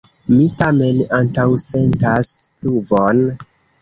Mi tamen antaŭsentas pluvon.